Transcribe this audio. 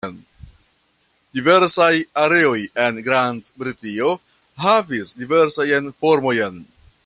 Diversaj areoj en Grand-Britio havis diversajn formojn.